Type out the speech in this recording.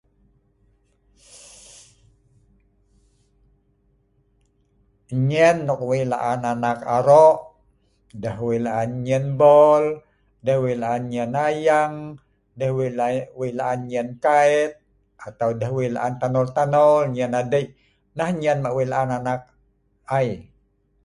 Nnyen nok wei' la'an anak aro' deh wei' la'an nnyen ball, deh wei laan nnyen ayang, deh wei laan nnyen kait, atau deh wei laan tanol tanol, nnyen adieu, nah nnyen nok wei' la'an anak ai.